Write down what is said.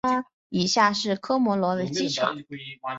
以下是科摩罗的机场。